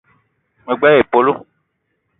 Me gbele épölo